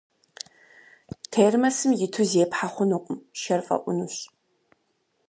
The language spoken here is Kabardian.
Термосым иту зепхьэ хъунукъым, шэр фӏэӏунущ.